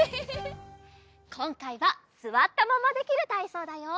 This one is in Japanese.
こんかいはすわったままできるたいそうだよ！